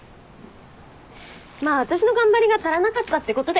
まあ私の頑張りが足らなかったってことで。